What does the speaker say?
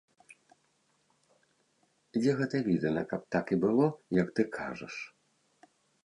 Дзе гэта відана, каб так і было, як ты кажаш?!